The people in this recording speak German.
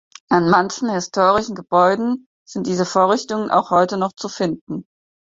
An manchen historischen Gebäuden sind diese Vorrichtungen auch heute noch zu finden.